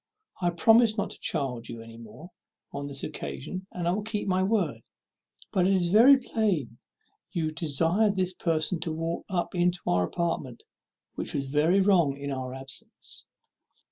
I promised not to chide you any more on this occasion, and I will keep my word; but it is very plain you desired this person to walk up into our apartment, which was very wrong in our absence."